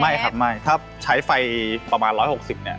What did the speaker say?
ไม่ครับไม่ถ้าใช้ไฟประมาณ๑๖๐เนี่ย